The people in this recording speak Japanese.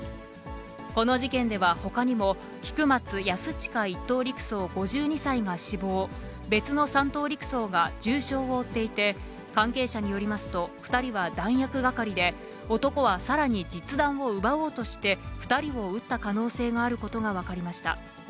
この事件ではほかにも、菊松安親１等陸曹５２歳が死亡、別の３等陸曹が重傷を負っていて、関係者によりますと２人は弾薬係で、男はさらに実弾を奪おうとして、２人を撃った可能性があることが分かりました。